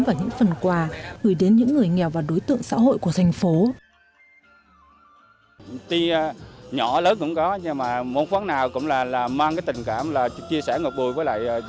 và những phần quà gửi đến những người nghèo và đối tượng xã hội của thành phố